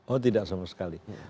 oh tidak sama sekali